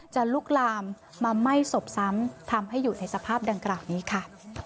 ลุกลามมาไหม้ศพซ้ำทำให้อยู่ในสภาพดังกล่าวนี้ค่ะ